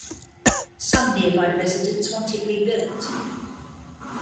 Some nearby residents want it rebuilt.